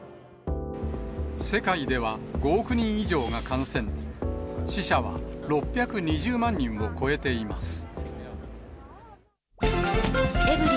世界では、５億人以上が感染、死者は６２０万人を超えています。